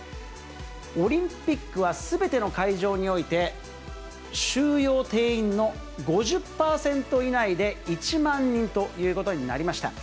オリンピックはすべての会場において、収容定員の５０％以内で１万人ということになりました。